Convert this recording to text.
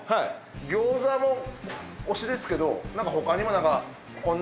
餃子も推しですけど他にも何かこん